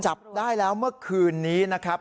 จับได้แล้วเมื่อคืนนี้นะครับ